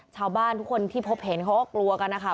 ชาวบ้านทุกคนที่พบเห็นเขาก็กลัวกันนะคะ